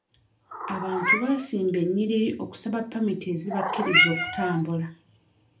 Abantu basimba nnyiriri okusaba pamiti ezibakkiriza okutambula.